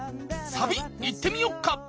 サビいってみよっか！